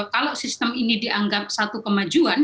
kalau sistem ini dianggap satu kemajuan